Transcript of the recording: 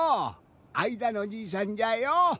あいだのじいさんじゃよ！